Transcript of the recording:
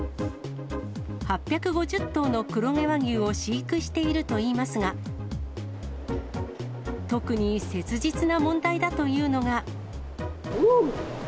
８５０頭の黒毛和牛を飼育しているといいますが、特に切実な問題だというのが。